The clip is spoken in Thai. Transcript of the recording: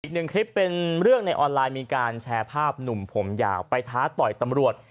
อีกหนึ่งคลิปเป็นเรื่องในออนไลน์มีการแชร์ภาพหนุ่มผมยาวไปท้าต่อยตำรวจ